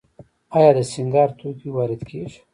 آیا د سینګار توکي وارد کیږي؟